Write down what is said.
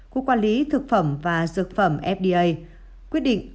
cục quản lý thực phẩm và dược phẩm fda quyết định